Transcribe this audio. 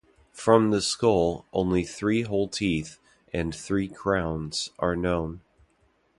From the skull, only three whole teeth and three crowns are known.